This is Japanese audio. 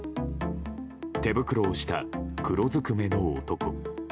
手袋をした黒ずくめの男。